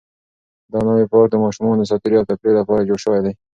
دا نوی پارک د ماشومانو د ساتیرۍ او تفریح لپاره جوړ شوی دی.